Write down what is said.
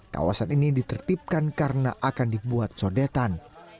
kawasan ini ditertipkan karena akan dibuat sodetan